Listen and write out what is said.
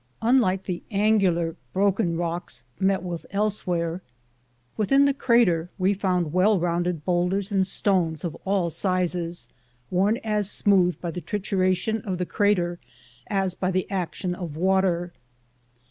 Unlike the angular, broken rocKs met with elsewhere, within the crater we found well rounded bowlders and stones of all sizes worn as smooth by the trituration of the crater as by the action of water.